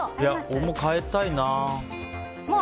僕も変えたいな。